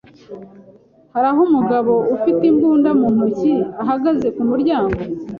Hariho umugabo ufite imbunda mu ntoki ahagaze ku muryango.